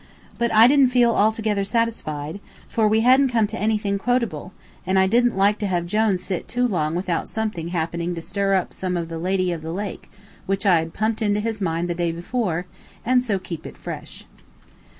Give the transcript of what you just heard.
But I didn't feel altogether satisfied, for we hadn't come to anything quotable, and I didn't like to have Jone sit too long without something happening to stir up some of the "Lady of the Lake" which I had pumped into his mind the day before, and so keep it fresh.